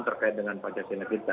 terkait dengan pancasila kita